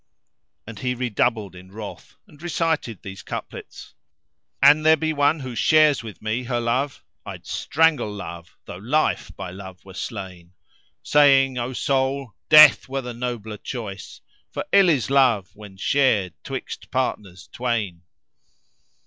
And he redoubled in wrath and recited these couplets:— "An there be one who shares with me her love, * I'd strangle Love tho' life by Love were slain Saying, O Soul, Death were the nobler choice, * For ill is Love when shared 'twixt partners twain."